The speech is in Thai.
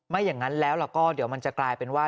อย่างนั้นแล้วก็เดี๋ยวมันจะกลายเป็นว่า